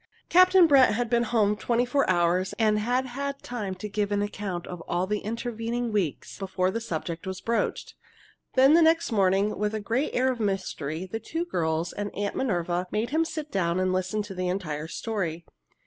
Captain Brett had been at home twenty four hours, and had had time to give an account of all the intervening weeks, before the subject was broached. Then the next morning, with a great air of mystery, the two girls and Aunt Minerva made him sit down and listen to the entire story.